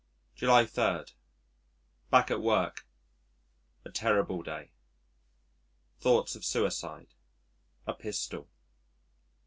July 3. Back at work. A terrible day. Thoughts of suicide a pistol.